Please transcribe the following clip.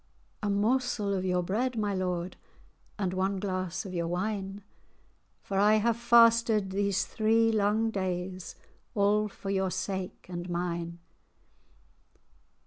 "A morsel of your bread, my lord, And one glass of your wine; For I have fasted these three lang days, All for your sake and mine.